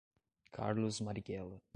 Carlos Marighella